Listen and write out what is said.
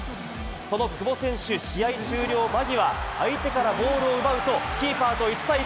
その久保選手、試合終了間際、相手からボールを奪うと、キーパーと１対１！